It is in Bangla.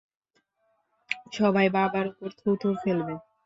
সবাই বাবার উপর থু থু ফেলবে!